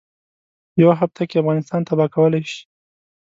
یوه هفته کې افغانستان تباه کولای شي.